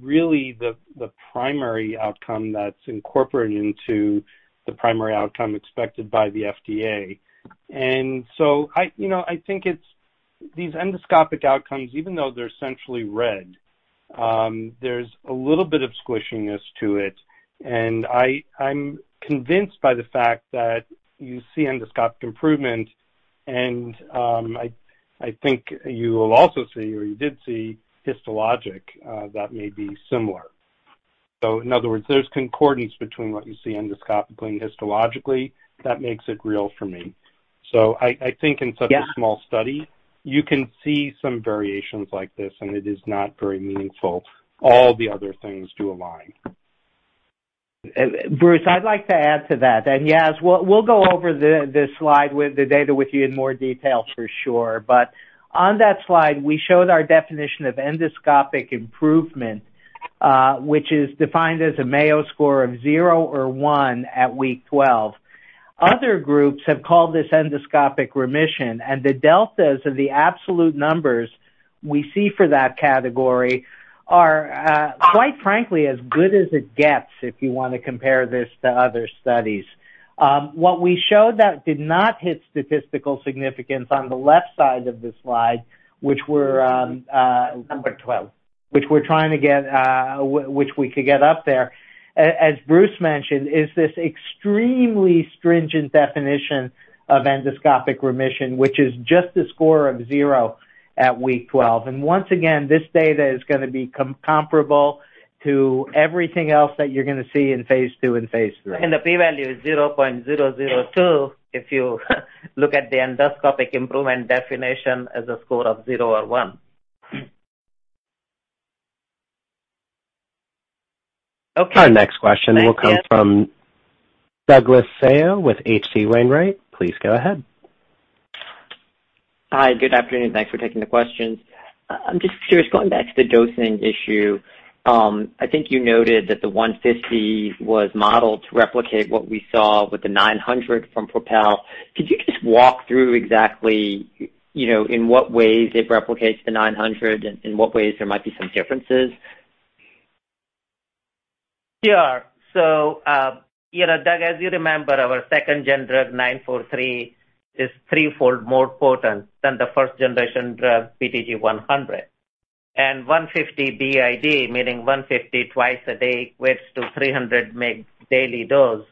really the primary outcome that's incorporated into the primary outcome expected by the FDA. I think it's these endoscopic outcomes, even though they're essentially red, there's a little bit of squishiness to it, and I'm convinced by the fact that you see endoscopic improvement and I think you will also see or you did see histologic that may be similar. In other words, there's concordance between what you see endoscopically and histologically that makes it real for me. I think in such- Yeah. A small study, you can see some variations like this, and it is not very meaningful. All the other things do align. Bruce, I'd like to add to that. That, yes, we'll go over the slide with the data with you in more detail for sure. But on that slide, we showed our definition of endoscopic improvement, which is defined as a Mayo score of 0 or 1 at week 12. Other groups have called this endoscopic remission, and the deltas of the absolute numbers we see for that category are quite frankly, as good as it gets, if you wanna compare this to other studies. What we showed that did not hit statistical significance on the left side of the slide, which we're number 12. Which we're trying to get, which we could get up there, as Bruce mentioned, is this extremely stringent definition of endoscopic remission, which is just a score of 0 at week 12. Once again, this data is gonna be comparable to everything else that you're gonna see in phase II and phase III. The P value is 0.002 if you look at the endoscopic improvement definition as a score of 0 or one. Okay. Our next question will come from Douglas Tsao with H.C. Wainwright. Please go ahead. Hi. Good afternoon. Thanks for taking the questions. I'm just curious, going back to the dosing issue, I think you noted that the 150 mg was modeled to replicate what we saw with the 900 mg from PROPEL. Could you just walk through exactly, you know, in what ways it replicates the 900 mg and in what ways there might be some differences? Sure. You know, Doug, as you remember, our second-gen drug, PN-943, is threefold more potent than the first-generation drug, PTG-100. 150 BID, meaning 150 mg twice a day, equates to 300 mg daily dose.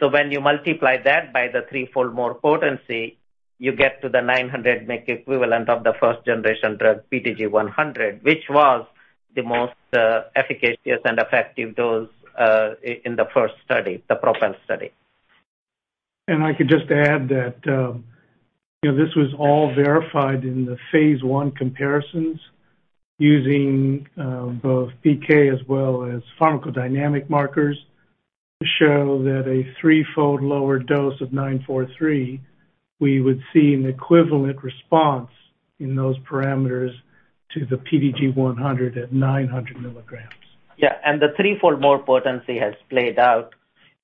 When you multiply that by the threefold more potency, you get to the 900 mg equivalent of the first generation drug, PTG-100, which was the most efficacious and effective dose in the first study, the PROPEL study. I could just add that this was all verified in the phase I comparisons using both PK as well as pharmacodynamic markers to show that a threefold lower dose of PN-943, we would see an equivalent response in those parameters to the PTG-100 at 900 mg. Yeah. The threefold more potency has played out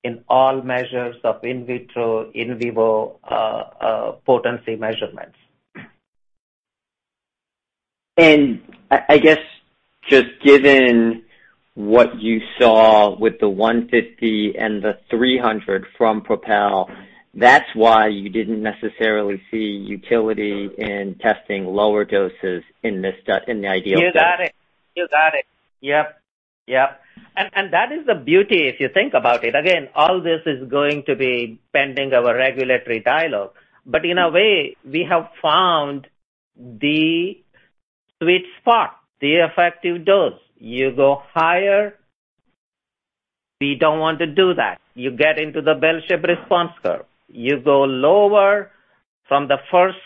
in all measures of in vitro, in vivo, potency measurements. I guess just given what you saw with the 150 mg and the 300 mg from PROPEL, that's why you didn't necessarily see utility in testing lower doses in the IDEAL study. You got it. Yep. That is the beauty if you think about it. Again, all this is going to be pending our regulatory dialogue. In a way, we have found the sweet spot, the effective dose. You go higher, we don't want to do that. You get into the bell-shaped response curve. You go lower from the first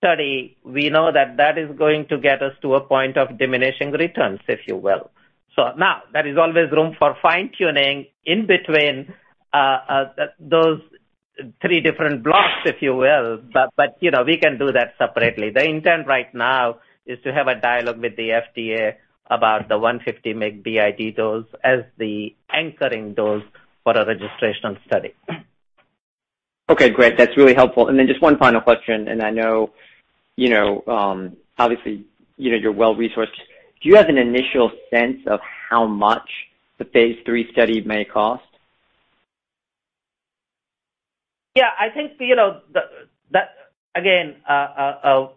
study, we know that is going to get us to a point of diminishing returns, if you will. Now there is always room for fine-tuning in between those three different blocks, if you will. You know, we can do that separately. The intent right now is to have a dialogue with the FDA about the 150 mg BID dose as the anchoring dose for a registrational study. Okay, great. That's really helpful. Just one final question, and I know, you know, obviously, you know, you're well-resourced. Do you have an initial sense of how much the phase III study may cost? Yeah, I think, you know, again, all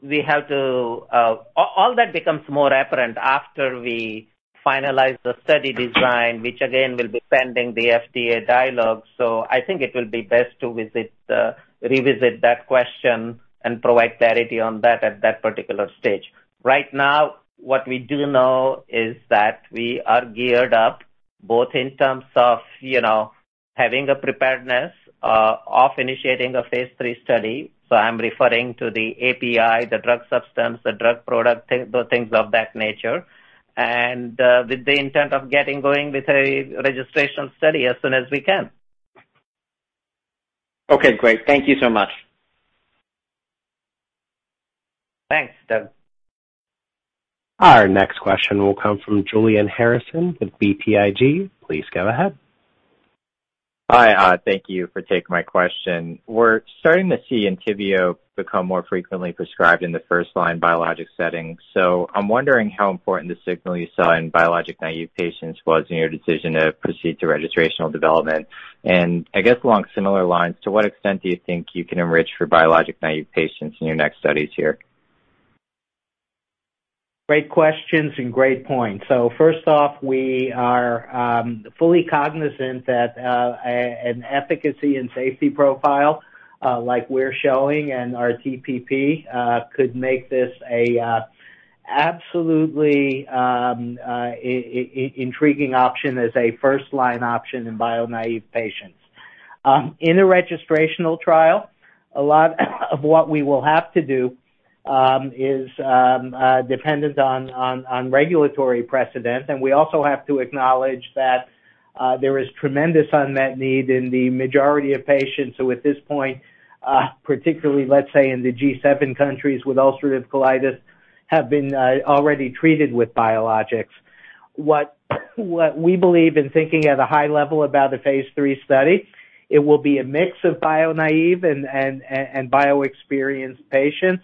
that becomes more apparent after we finalize the study design, which again, will be pending the FDA dialogue. I think it will be best to revisit that question and provide clarity on that at that particular stage. Right now, what we do know is that we are geared up both in terms of, you know, having a preparedness of initiating a phase III study. I'm referring to the API, the drug substance, the drug product, the things of that nature, and with the intent of getting going with a registrational study as soon as we can. Okay, great. Thank you so much. Thanks, Douglas. Our next question will come from Julian Harrison with BTIG. Please go ahead. Hi. Thank you for taking my question. We're starting to see ENTYVIO become more frequently prescribed in the first line biologic setting. I'm wondering how important the signal you saw in biologic-naive patients was in your decision to proceed to registrational development. I guess along similar lines, to what extent do you think you can enrich for biologic-naive patients in your next studies here? Great questions and great points. First off, we are fully cognizant that an efficacy and safety profile like we're showing in our TPP could make this an absolutely intriguing option as a first-line option in bio-naive patients. In a registrational trial, a lot of what we will have to do is dependent on regulatory precedent. We also have to acknowledge that there is tremendous unmet need in the majority of patients who at this point, particularly, let's say, in the G7 countries with ulcerative colitis, have been already treated with biologics. What we believe in thinking at a high level about a phase III study, it will be a mix of bio-naive and bio-experienced patients.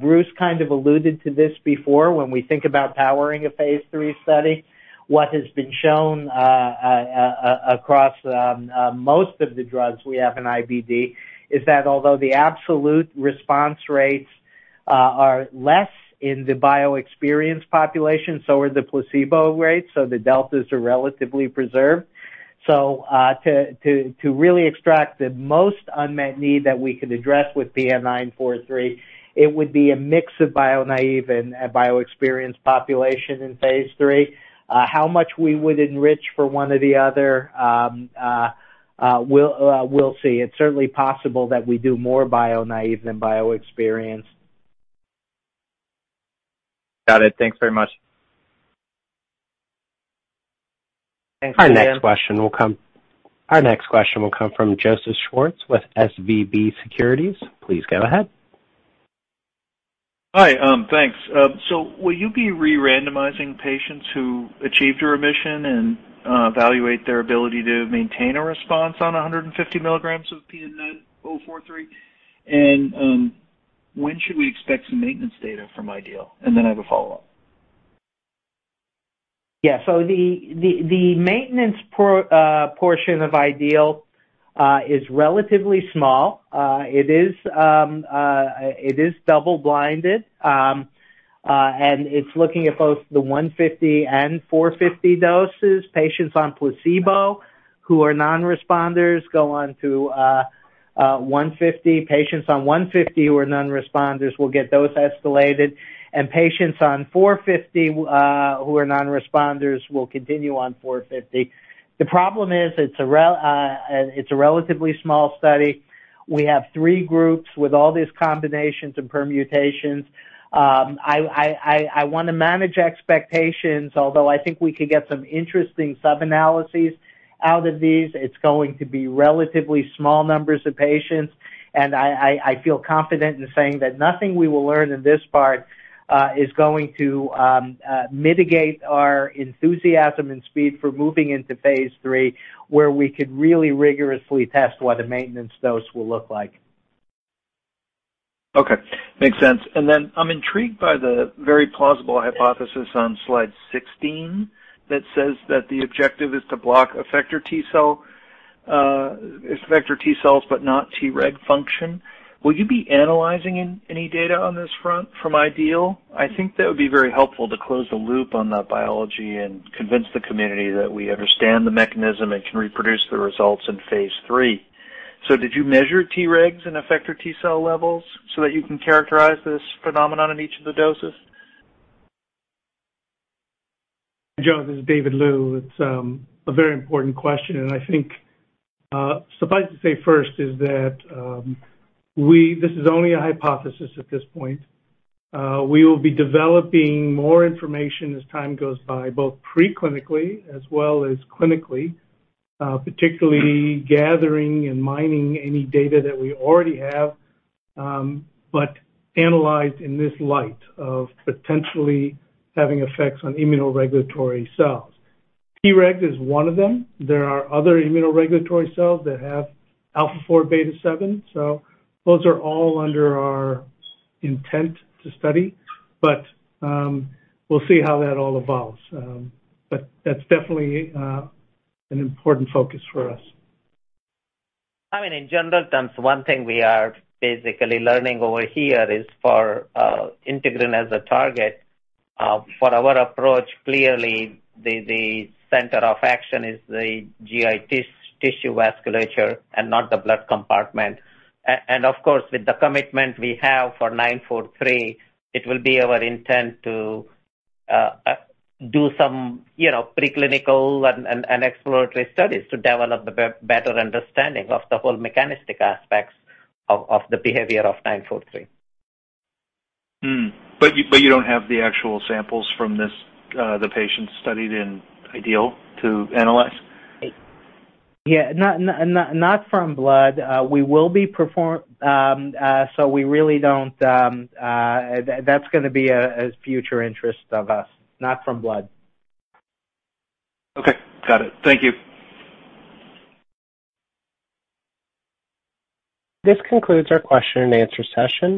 Bruce kind of alluded to this before when we think about powering a phase III study. What has been shown across most of the drugs we have in IBD is that although the absolute response rates are less in the bio-experienced population, so are the placebo rates, so the deltas are relatively preserved. To really extract the most unmet need that we could address with PN-943, it would be a mix of bio-naive and bio-experienced population in phase III. How much we would enrich for one or the other, we'll see. It's certainly possible that we do more bio-naive than bio-experienced. Got it. Thanks very much. Thanks. Our next question will come from Joseph Schwartz with SVB Securities. Please go ahead. Hi. Thanks. Will you be re-randomizing patients who achieved remission and evaluate their ability to maintain a response on 150 mg of PN-943? When should we expect some maintenance data from IDEAL? Then I have a follow-up. Yeah. The maintenance portion of IDEAL is relatively small. It is double blinded. It's looking at both the 150 mg and 450 mg doses. Patients on placebo who are non-responders go on to 150 mg. Patients on 150 mg who are non-responders will get those escalated. Patients on 450 mg who are non-responders will continue on 450 mg. The problem is it's a relatively small study. We have three groups with all these combinations and permutations. I wanna manage expectations, although I think we could get some interesting sub-analyses out of these. It's going to be relatively small numbers of patients. I feel confident in saying that nothing we will learn in this part is going to mitigate our enthusiasm and speed for moving into phase III, where we could really rigorously test what a maintenance dose will look like. Okay. Makes sense. I'm intrigued by the very plausible hypothesis on slide 16 that says that the objective is to block effector T cells, but not Treg function. Will you be analyzing any data on this front from IDEAL? I think that would be very helpful to close the loop on that biology and convince the community that we understand the mechanism and can reproduce the results in phase III. Did you measure Tregs and effector T cell levels so that you can characterize this phenomenon in each of the doses? Joe, this is David Liu. It's a very important question, and I think suffice to say first is that this is only a hypothesis at this point. We will be developing more information as time goes by, both pre-clinically as well as clinically, particularly gathering and mining any data that we already have, but analyzed in this light of potentially having effects on immunoregulatory cells. Treg is one of them. There are other immunoregulatory cells that have alpha four, beta seven, so those are all under our intent to study. We'll see how that all evolves. That's definitely an important focus for us. I mean, in general terms, one thing we are basically learning over here is for integrin as a target for our approach, clearly the center of action is the GI tissue vasculature and not the blood compartment. Of course, with the commitment we have for nine four three, it will be our intent to do some, you know, preclinical and exploratory studies to develop a better understanding of the whole mechanistic aspects of the behavior of nine four three. You don't have the actual samples from this, the patients studied in IDEAL, to analyze? Yeah. Not from blood. We really don't, that's gonna be a future interest of us. Not from blood. Okay. Got it. Thank you. This concludes our question-and-answer session.